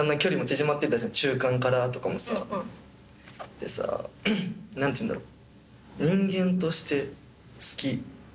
でさ何ていうんだろう。